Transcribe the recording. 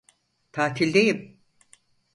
Tatildeyim.